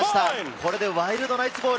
これでワイルドナイツボール。